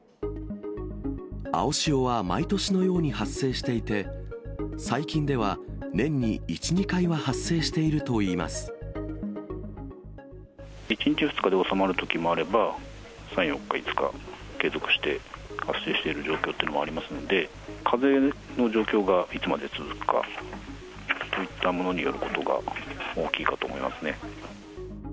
青潮は毎年のように発生していて、最近では年に１、１日、２日で収まるときもあれば、３、４日、５日、継続して発生している状況っていうのもありますので、風の状況がいつまで続くかといったものによることが大きいかと思いますね。